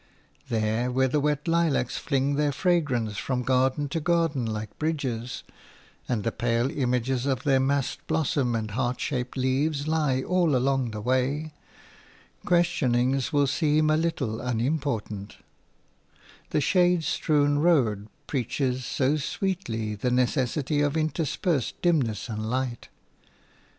There, where the wet lilacs fling their fragrance from garden to garden like bridges, and the pale images of their massed blossom and heart shaped leaves lie all along the way, questionings will seem a little unimportant – the shade strewn road preaches so sweetly the necessity of interspersed dimness and light.